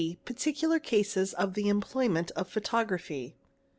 Particular cases of the employment of Photography.